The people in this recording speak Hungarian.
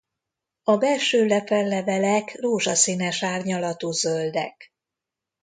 A belső lepellevelek rózsaszínes árnyalatú zöldek.